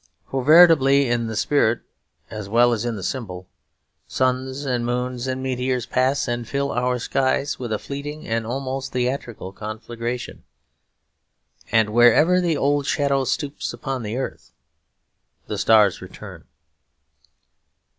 For veritably, in the spirit as well as in the symbol, suns and moons and meteors pass and fill our skies with a fleeting and almost theatrical conflagration; and wherever the old shadow stoops upon the earth, the stars return.